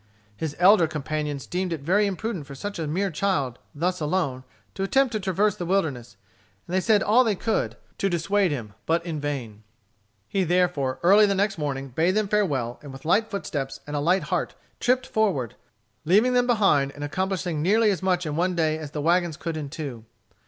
His elder companions deemed it very imprudent for such a mere child, thus alone, to attempt to traverse the wilderness, and they said all they could to dissuade him, but in vain. He therefore, early the next morning, bade them farewell, and with light footsteps and a light heart tripped forward, leaving them behind, and accomplishing nearly as much in one day as the wagons could in two.